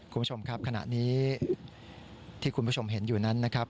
คุณผู้ชมครับขณะนี้ที่คุณผู้ชมเห็นอยู่นั้นนะครับ